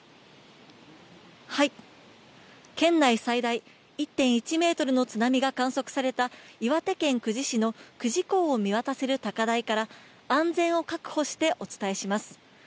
県内最大１．１ｍの津波が観測された岩手県久慈市の久慈港を見渡せる高台から安全を確保してお伝えします。